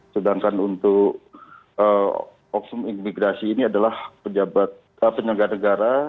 sedangkan untuk oknum imigrasi ini adalah penyelenggara negara